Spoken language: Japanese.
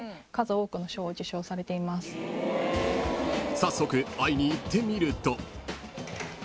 ［早速会いに行ってみると］